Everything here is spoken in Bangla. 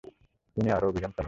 তিনি আরও অভিযান চালান।